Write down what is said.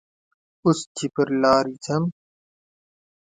اوس چې پر لارې ځم